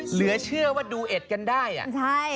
เหลือเชื่อว่าดูเอ็ดกันได้อ่ะใช่